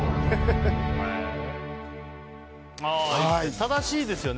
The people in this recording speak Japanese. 正しいですよね。